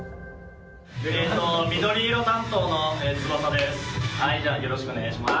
緑色担当の翼です。